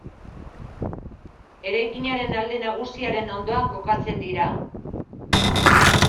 Eraikinaren alde nagusiaren ondoan kokatzen dira.